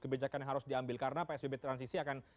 kebijakan yang harus diambil karena psbb transisi akan